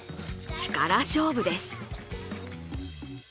力勝負です。